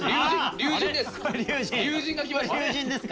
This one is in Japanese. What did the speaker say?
龍神ですか！？